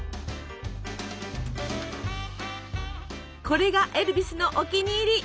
これがエルヴィスのお気に入り。